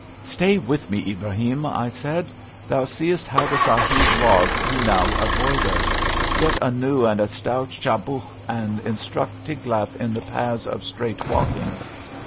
Stay with me, Ibrahim, *' I said. Thou seest how the sahib log do now avoid us. Get a new and a stout chabuq, and instruct Tiglath in the paths of straight walking.'